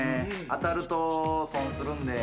当たると損するんで。